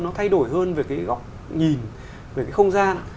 nó thay đổi hơn về cái góc nhìn về cái không gian